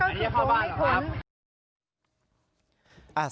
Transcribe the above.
ก็คือโค้งแล้วก็คือโค้งให้ทน